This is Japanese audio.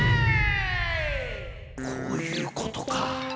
こういうことか。